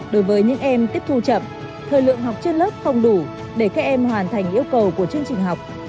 đối với những em tiếp thu chậm thời lượng học trên lớp không đủ để các em hoàn thành yêu cầu của chương trình học